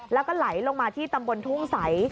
แล้วก็ไหลลงมาที่ตำบลทุ่งใส